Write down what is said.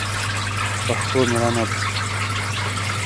پښتو مېړانه ده